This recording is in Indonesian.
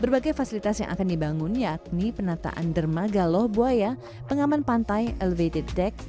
berbagai fasilitas yang akan dibangun yakni penataan dermaga loh buaya pengaman pantai elevated deck